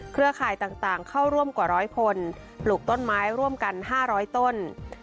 ข่ายต่างเข้าร่วมกว่าร้อยคนปลูกต้นไม้ร่วมกัน๕๐๐ต้น